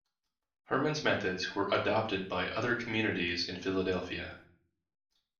Herman's methods were adopted by other communities in Philadelphia.